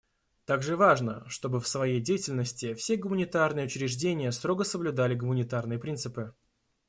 Также важно, чтобы в своей деятельности все гуманитарные учреждения строго соблюдали гуманитарные принципы.